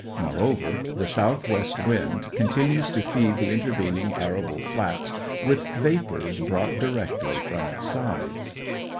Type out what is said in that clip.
Moreover, the south west wind continues to feed the intervening arable flats with vapours brought directly from its sides.